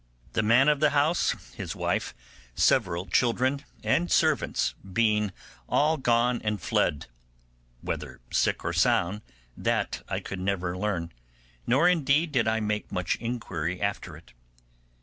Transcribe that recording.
The man of the house, his wife, several children, and servants, being all gone and fled, whether sick or sound, that I could never learn; nor, indeed, did I make much inquiry after it.